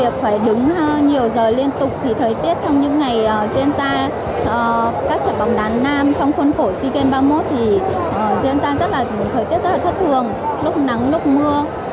các trận bóng đá nam trong khuôn khổ sigen ba mươi một diễn ra thời tiết rất thất thường lúc nắng lúc mưa